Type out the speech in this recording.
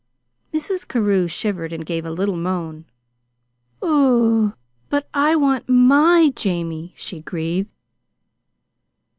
Mrs. Carew shivered and gave a little moan. "But I want MY Jamie," she grieved.